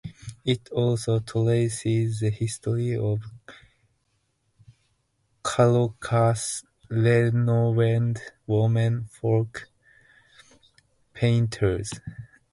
It also traces the history of Kalocsa's renowned women folk painters.